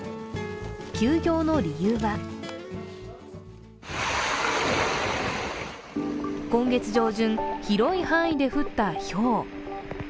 休業の理由は今月上旬、広い範囲で降ったひょう